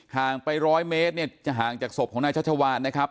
ห่างไปร้อยเมตรห่างจากศพของนายชาวชาวานนะครับ